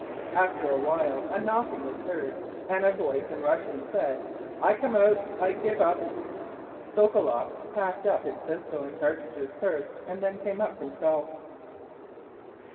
After a while a knocking was heard, and a voice in Russian said, " I come out ; I give up." Sokoloff passed up his pistol and cartridges first and then came up himself.